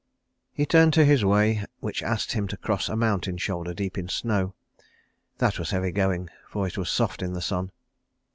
He turned to his way which asked him to cross a mountain shoulder deep in snow. That was heavy going, for it was soft in the sun.